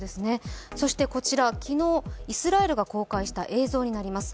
こちら、昨日イスラエルが公開した映像になります。